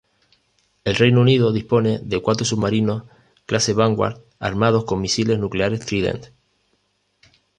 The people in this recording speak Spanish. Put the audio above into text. El Reino Unido dispone de cuatro submarinos Clase Vanguard armados con misiles nucleares Trident.